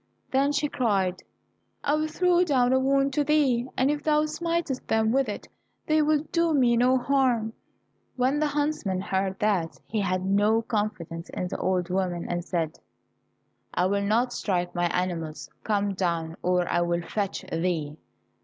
Then she cried, "I will throw down a wand to thee, and if thou smitest them with it they will do me no harm." When the huntsman heard that, he had no confidence in the old woman, and said, "I will not strike my animals. Come down, or I will fetch thee."